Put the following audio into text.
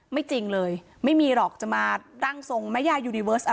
ไม่จริงเลย